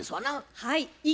はい。